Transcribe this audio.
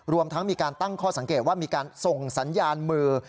รวมทั้งมีการตั้งข้อสังเกตว่ามีการส่งสัญญาณมือ